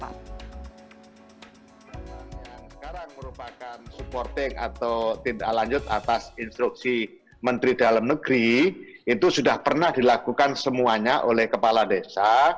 yang sekarang merupakan supporting atau tindak lanjut atas instruksi menteri dalam negeri itu sudah pernah dilakukan semuanya oleh kepala desa